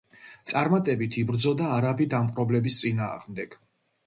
წარმატებით იბრძოდა არაბი დამპყრობლების წინააღმდეგ.